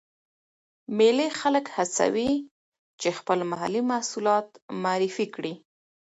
مېلې خلک هڅوي، چې خپل محلې محصولات معرفي کړي.